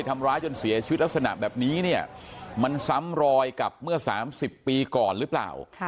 ทำร้ายจนเสียชีวิตลักษณะแบบนี้เนี่ยมันซ้ำรอยกับเมื่อ๓๐ปีก่อนหรือเปล่า